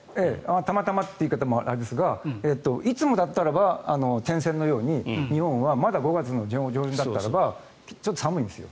たまたまという言い方もあれですがいつもだったらば点線のように日本はまだ５月上旬だったらばちょっと寒いんですよ。